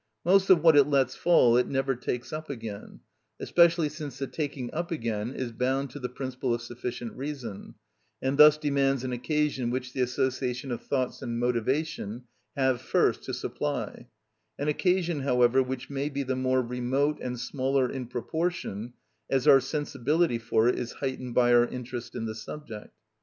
Most of what it lets fall it never takes up again; especially since the taking up again is bound to the principle of sufficient reason, and thus demands an occasion which the association of thoughts and motivation have first to supply; an occasion, however, which may be the more remote and smaller in proportion as our sensibility for it is heightened by our interest in the subject.